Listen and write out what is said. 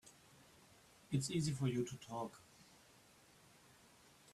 It's easy for you to talk.